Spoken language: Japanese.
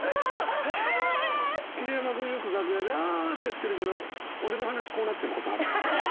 桐山君よく楽屋で「ああ！」ってやってるけど俺の話こうなってることある？